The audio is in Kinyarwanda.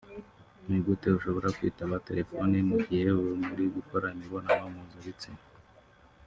ni gute ushobora kwitaba telephone mu gihe muri gukora imibonano mpuzabitsina